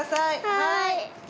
はい。